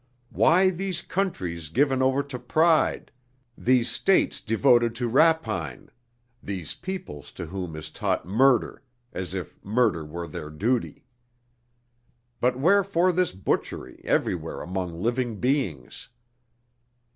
Why these countries given over to pride, these States devoted to rapine, these peoples to whom is taught murder, as if murder were their duty? But wherefore this butchery everywhere among living beings?